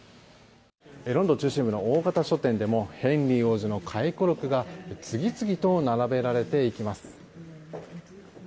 ロンドン中心部の大型書店でもヘンリー王子の回顧録が次々と並べられていきます。